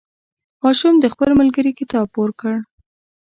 ماشوم د خپل ملګري کتاب پور کړ.